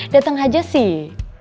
dateng aja sih